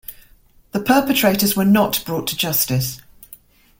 The perpetrators were not brought to justice.